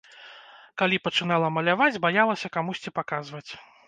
Калі пачынала маляваць, баялася камусьці паказваць.